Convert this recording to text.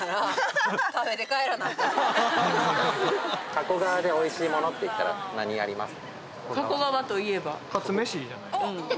加古川でおいしいものっていったら何あります？